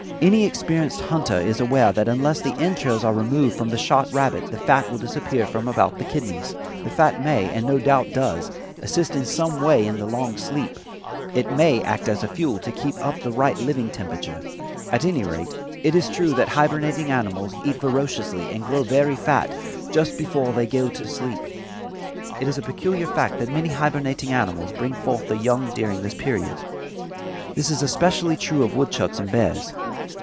Any experienced hunter is aware that unless the entrails are removed from the shot rabbit the fat will disappear from about the kidneys. The fat may, and no doubt does, assist in some way in the long sleep. It may act as fuel to keep up the right living temperature. At any rate, it is true that hibernating animals eat voraciously and grow very fat just before they go to sleep. It is a peculiar fact that many hibernating animals bring forth their young during this period. This is especially true of woodchucks and bears.